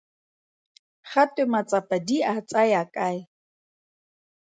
Ga twe matsapa di a tsaya kae?